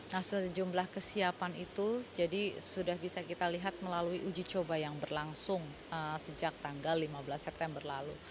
nah sejumlah kesiapan itu jadi sudah bisa kita lihat melalui uji coba yang berlangsung sejak tanggal lima belas september lalu